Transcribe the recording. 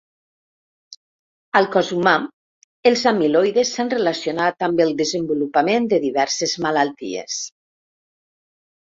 Al cos humà, els amiloides s’han relacionat amb el desenvolupament de diverses malalties.